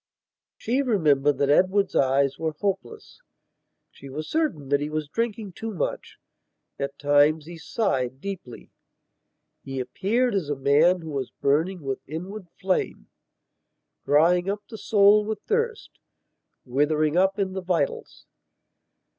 She remembered that Edward's eyes were hopeless; she was certain that he was drinking too much; at times he sighed deeply. He appeared as a man who was burning with inward flame; drying up in the soul with thirst; withering up in the vitals.